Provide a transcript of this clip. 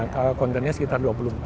kontainernya sekitar dua puluh empat